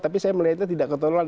tapi saya melihatnya tidak ketolongan